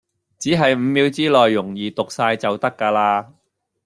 只係五秒之內容易讀哂就得㗎啦